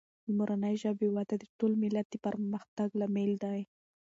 د مورنۍ ژبې وده د ټول ملت د پرمختګ لامل دی.